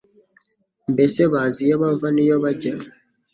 mbese bazi iyo bava n'iyo bajya